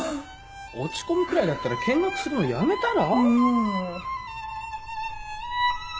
落ち込むくらいだったら見学するのやめたら？